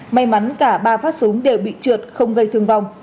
may mắn cả ba phát súng đều bị trượt không gây thương vong